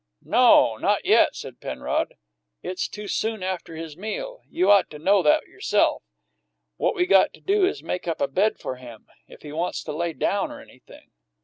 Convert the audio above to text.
"No; not yet," said Penrod. "It's too soon after his meal. You ought to know that yourself. What we got to do is to make up a bed for him if he wants to lay down or anything."